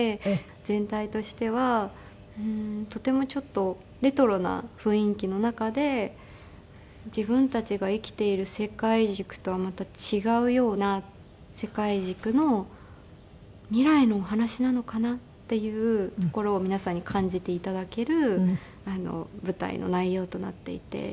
全体としてはとてもちょっとレトロな雰囲気の中で自分たちが生きている世界軸とはまた違うような世界軸の未来のお話なのかな？っていうところを皆さんに感じて頂ける舞台の内容となっていて。